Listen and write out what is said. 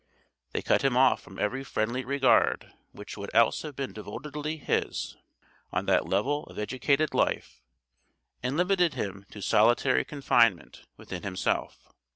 They cut him off from every friendly regard which would else have been devotedly his, on that level of educated life, and limited him to 'solitary confinement' within himself.